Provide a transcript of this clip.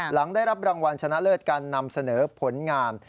หลังได้รับรางวัลชนะเลิศการนำเสนอผลงาน